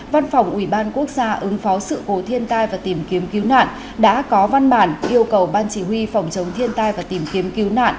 văn phòng ủy ban quốc gia ứng phó sự cố thiên tai và tìm kiếm cứu nạn đã có văn bản yêu cầu ban chỉ huy phòng chống thiên tai và tìm kiếm cứu nạn